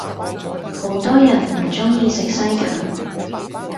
好多人唔鍾意食西芹